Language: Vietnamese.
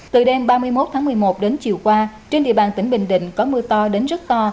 từ đêm ba mươi một tháng một mươi một đến chiều qua trên địa bàn tỉnh bình định có mưa to đến rất to